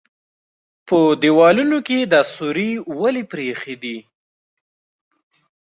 _په دېوالونو کې يې دا سوري ولې پرېښي دي؟